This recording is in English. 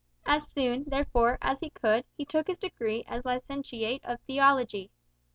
As soon, therefore, as he could, he took his degree as Licentiate of Theology.